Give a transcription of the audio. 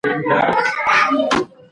چرګ او هیلۍ سره غوښه نه شمېرل کېږي.